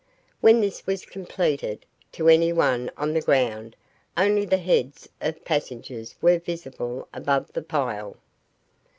When this was completed, to any one on the ground only the heads of passengers were visible above the pile.